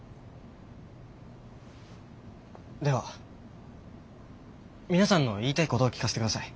では皆さんの言いたいことを聞かせてください。